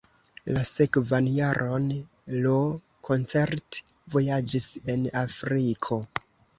La sekvan jaron Lo koncert-vojaĝis en Afriko.